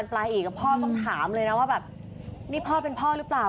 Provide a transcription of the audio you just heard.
พ่อต้องถามเลยนะว่านี่เป็นพ่อหรือเปล่า